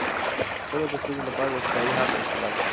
خلع د ښځې لپاره د اختیاري حق وسیله ده.